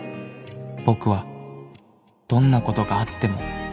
「僕はどんなことがあっても」